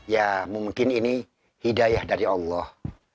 ya mungkin ini hidayah dari allah